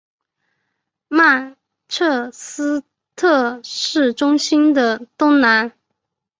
曼彻斯特市中心的东南。